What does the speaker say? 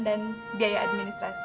dan biaya administrasi